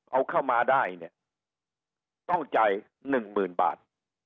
เอาเข้ามาได้ต้องจ่าย๑๐๐๐๐บาท